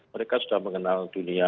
mereka sudah mengenal dunia